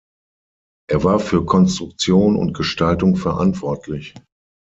Er war für Konstruktion und Gestaltung verantwortlich.